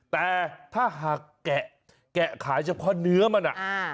แต่ถ้าหากแกะขายเฉพาะเนื้อมันอ่ะ